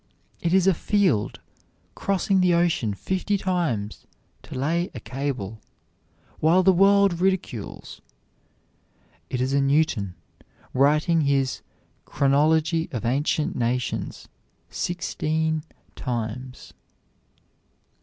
It is a Field, crossing the ocean fifty times to lay a cable, while the world ridicules. It is a Newton, writing his "Chronology of Ancient Nations" sixteen times.